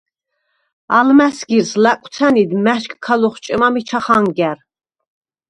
ალმა̈სგირს ლაკვცა̈ნიდ მა̈შკქა ლოხჭემა მიჩა ხანგა̈რ.